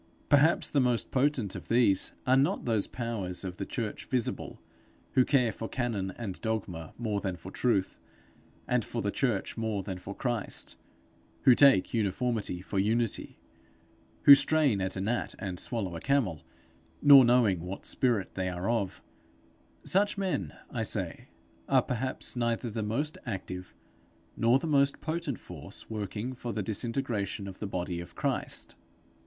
Perhaps the most potent of these are not those powers of the church visible who care for canon and dogma more than for truth, and for the church more than for Christ; who take uniformity for unity; who strain at a gnat and swallow a camel, nor knowing what spirit they are of; such men, I say, are perhaps neither the most active nor the most potent force working for the disintegration of the body of Christ.